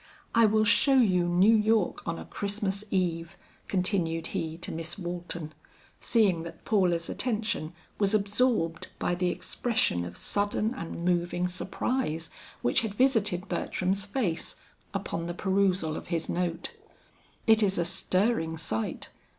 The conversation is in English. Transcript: I will show you New York on a Christmas eve," continued he to Miss Walton, seeing that Paula's attention was absorbed by the expression of sudden and moving surprise which had visited Bertram's face, upon the perusal of his note. "It is a stirring sight.